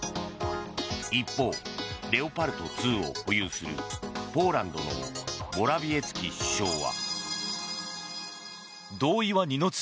一方、レオパルト２を保有するポーランドのモラビエツキ首相は。